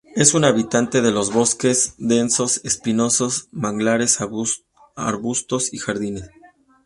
Es un habitante de los bosques densos espinosos, manglares, arbustos y jardines.